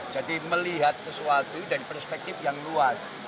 jadi melihat sesuatu dari perspektif yang luas